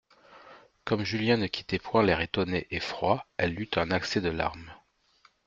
Comme Julien ne quittait point l'air étonné et froid elle eut un accès de larmes.